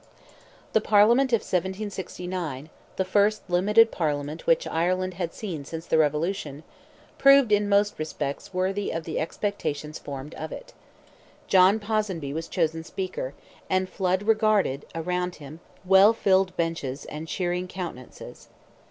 The Parliament of 1769—the first limited Parliament which Ireland had seen since the revolution—proved, in most respects, worthy of the expectations formed of it. John Ponsonby was chosen Speaker, and Flood regarded, around him, well filled benches and cheering countenances.